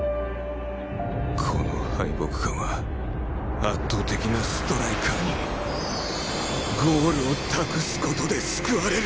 この敗北感は圧倒的なストライカーにゴールを託す事で救われる！